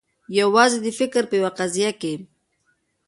یوازي د فکر په یوه قضیه کي